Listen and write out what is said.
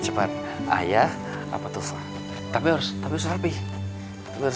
tidak ada panjang panjang kemana mana